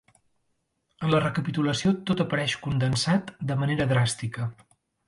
En la recapitulació tot apareix condensat de manera dràstica.